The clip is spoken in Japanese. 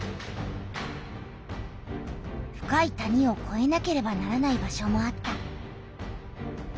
深い谷をこえなければならない場所もあった。